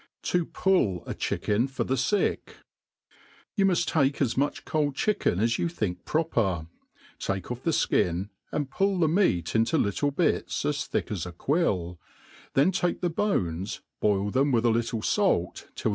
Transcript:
s To pull a Chicken for the Sickn YOU muft take as much cold chicken as you thiiik proper, tike ofF the (kin, and pull the meat into little bits as thick as a quill ; then take the bones, boil them with a little fait till